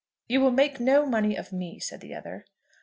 "You will make no money of me," said the other.